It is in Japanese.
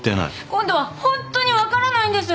今度はホントに分からないんです！